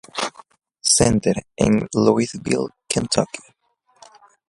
Center, en Louisville, Kentucky.